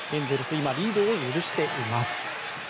今、リードを許しています。